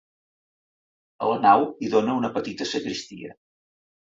A la nau hi dóna una petita sagristia.